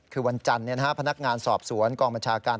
คือวันจันทร์พนักงานสอบสวนกองบัญชาการ